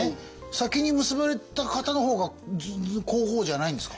先に結ばれた方の方が皇后じゃないんですか？